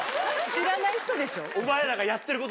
知らない人でしょ？